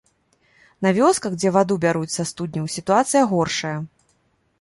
На вёсках, дзе ваду бяруць са студняў, сітуацыя горшая.